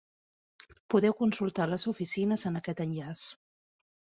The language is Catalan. Podeu consultar les oficines en aquest enllaç.